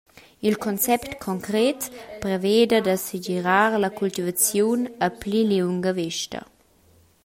Il concept concret preveda da segirar la cultivaziun a pli liunga vesta.